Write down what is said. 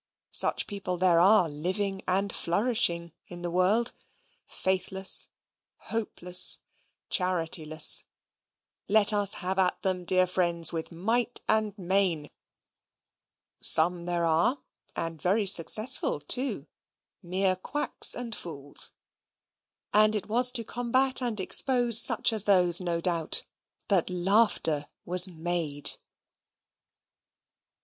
Such people there are living and flourishing in the world Faithless, Hopeless, Charityless: let us have at them, dear friends, with might and main. Some there are, and very successful too, mere quacks and fools: and it was to combat and expose such as those, no doubt, that Laughter was made.